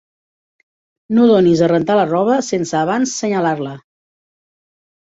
No donis a rentar la roba sense abans senyalar-la.